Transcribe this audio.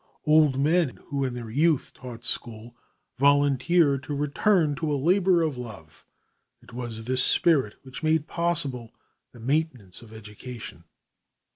Old men, who in their youth taught school, volunteered to return to a labor of love. It was this spirit which made possible the maintenance of education.